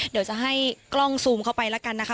เดี๋ยวจะให้กล้องซูมเข้าไปแล้วกันนะคะ